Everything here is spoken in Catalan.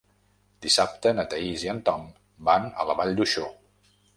Dissabte na Thaís i en Tom van a la Vall d'Uixó.